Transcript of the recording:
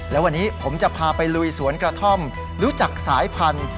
และวันนี้ผมจะพาไปลุยสวนกระท่อมรู้จักสายพันธุ์